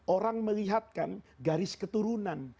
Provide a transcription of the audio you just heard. orang melihatkan garis keturunan